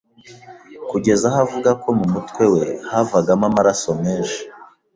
kugeza aho avuga ko mu mutwe we havagamo amaraso menshi